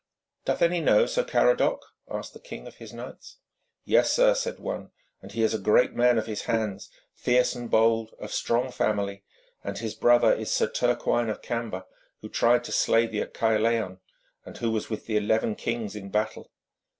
'Doth any know Sir Caradoc?' asked the king of his knights. 'Yea, sir,' said one, 'and he is a great man of his hands, fierce and bold, of strong family, and his brother is Sir Turquine of Camber, who tried to slay thee at Caerleon, and was with the eleven kings in battle.